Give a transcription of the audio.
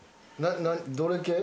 どれ系？